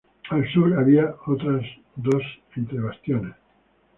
Al sur había otras dos entre bastiones.